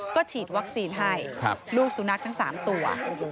ก็ฉีดวัคซีนให้ลูกสุนัขทั้ง๓ตัว